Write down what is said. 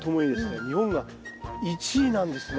日本が１位なんですね。